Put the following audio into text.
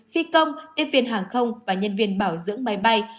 phi công tiếp viên hàng không và nhân viên bảo dưỡng máy bay